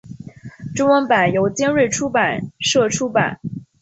中文版由尖端出版社出版。